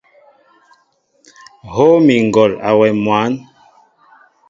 Hów mi ŋgɔl awɛm mwǎn.